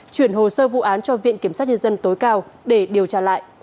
chuyển hồ sơ vụ án cho viện kiểm sát nhân dân tối cao để điều tra lại